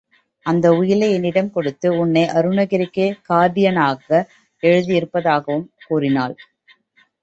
அந்த உயிலை என்னிடம் கொடுத்து உன்னை அருணகிரிக்கு கார்டியனாக எழுதி இருப்பதாகவும் கூறினாள்.